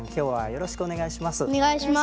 よろしくお願いします。